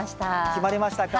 決まりましたか？